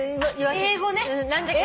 英語ね。